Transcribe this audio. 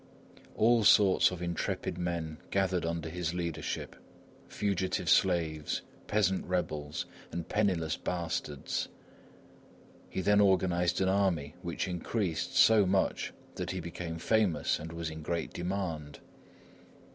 All sorts of intrepid men gathered under his leadership, fugitive slaves, peasant rebels, and penniless bastards; he then organized an army which increased so much that he became famous and was in great demand.